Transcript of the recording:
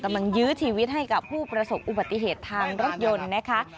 ยื้อชีวิตให้กับผู้ประสบอุบัติเหตุทางรถยนต์นะคะ